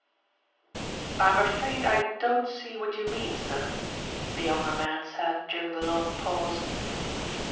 "I'm afraid I don't see what you mean sir," the younger man said during the long pause.